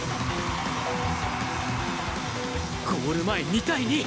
ゴール前２対２